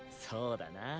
そうだな。